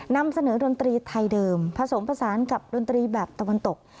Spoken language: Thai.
นำเสนอดนตรีไทยเดิมผสมผสานกับดนตรีแบบตะวันตก